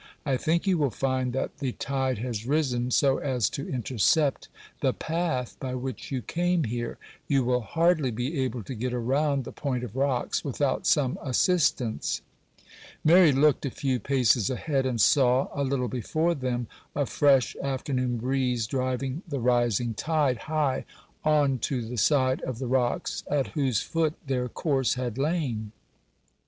I think you will find that the tide has risen so as to intercept the path by which you came here. You will hardly be able to get around the point of rocks without some assistance.' Mary looked a few paces ahead, and saw, a little before them, a fresh afternoon breeze driving the rising tide high on to the side of the rocks, at whose foot their course had lain.